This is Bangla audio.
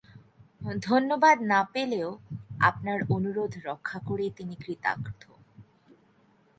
ধন্যবাদ না পেলেও আপনার অনুরোধ রক্ষা করেই তিনি কৃতার্থ।